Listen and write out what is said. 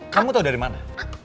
kamu tau dari mana